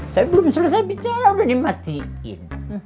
saya belum selesai bicara udah dimatiin